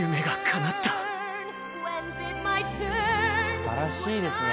素晴らしいですね。